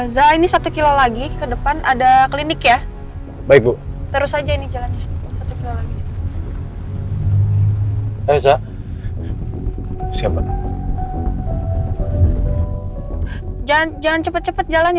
zaini satu kilo lagi ke depan ada klinik ya baik bu terus aja ini jalannya satu kilo lagi